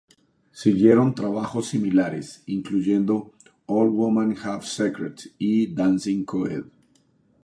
Siguieron trabajos similares, incluyendo "All Women Have Secrets" y "Dancing Co-Ed".